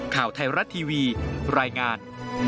ข่าวไทยรัฐทีวีรายงาน